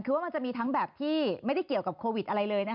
คือว่ามันจะมีทั้งแบบที่ไม่ได้เกี่ยวกับโควิดอะไรเลยนะคะ